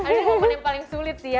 nanti momen yang paling sulit sih ya